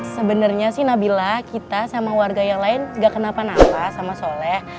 sebenarnya sih nabila kita sama warga yang lain gak kenapa nafas sama soleh